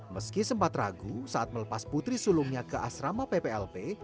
meski sempat ragu saat melepas putri sulungnya ke asrama pplp